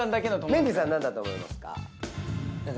メンディーさん何だと思いますか？